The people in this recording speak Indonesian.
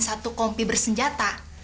satu kompi bersenjata